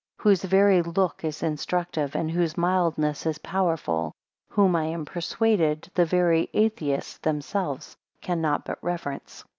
10 Whose very look is instructive; and whose mildness powerful: whom I am persuaded, the very Atheists themselves cannot but reverence.